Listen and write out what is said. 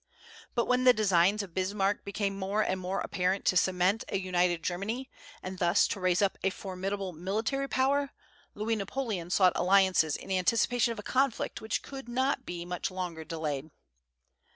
But when the designs of Bismarck became more and more apparent to cement a united Germany, and thus to raise up a most formidable military power, Louis Napoleon sought alliances in anticipation of a conflict which could not be much longer delayed.